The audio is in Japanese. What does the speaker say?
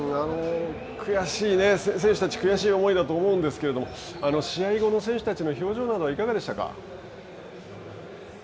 悔しい選手たち、悔しい思いだと思うんですけれども、試合後の選手たちの表情はいかがでしたか。